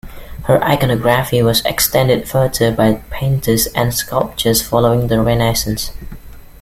Her iconography was extended further by painters and sculptors following the Renaissance.